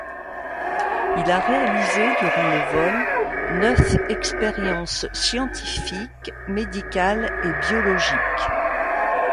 Il a réalisé durant le vol neuf expériences scientifiques, médicales et biologiques.